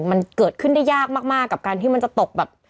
มันเกิดขึ้นได้ยากมากกับการที่มันจะตกแบบ